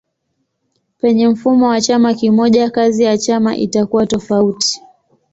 Penye mfumo wa chama kimoja kazi ya chama itakuwa tofauti.